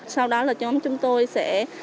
sau đó là chúng tôi sẽ